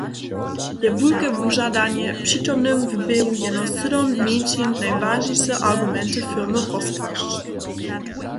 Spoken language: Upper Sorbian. Je wulke wužadanje, přitomnym w běhu jeno sydom mjeńšin najwažniše argumenty firmy rozkłasć.